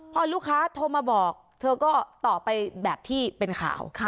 พอลูกค้าโทรมาบอกเธอก็ตอบไปแบบที่เป็นข่าว